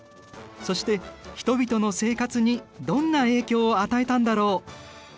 そして人々の生活にどんな影響を与えたんだろう？